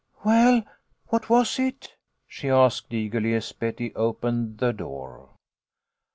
" Well, what was it ?" she asked, eagerly, as Betty opened the door.